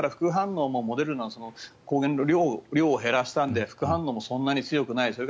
それから副反応もモデルナ、量を減らしたので副反応もそんなに強くない。